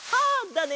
だね！